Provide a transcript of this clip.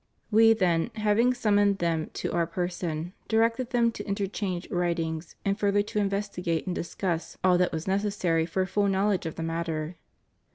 We then, having summoned them to Our person, directed them to interchange writings and further to investigate and discuss all that was necessary 394 ANGLICAN ORDERS. for a full knowledge of the matter.